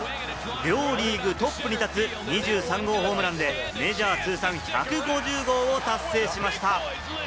両リーグトップに立つ２３号ホームランでメジャー通算１５０号を達成しました。